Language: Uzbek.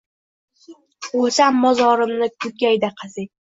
– O’lsam, mozorimni kungayda qazing…